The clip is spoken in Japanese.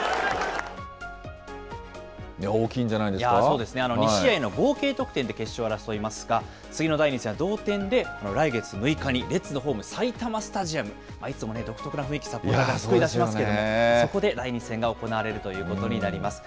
そうですね、２試合の合計得点で決勝を争いますが、次の第２戦は同点で、来月６日にレッズのホーム、埼玉スタジアム、いつも独特な雰囲気、サポーターが作り出しますけれども、そこで第２戦が行われるということになります。